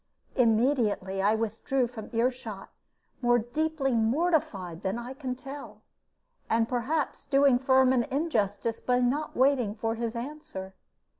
Immediately I withdrew from ear shot, more deeply mortified than I can tell, and perhaps doing Firm an injustice by not waiting for his answer.